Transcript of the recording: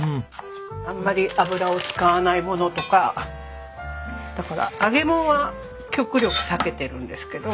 あんまり油を使わないものとかだから揚げ物は極力避けているんですけど。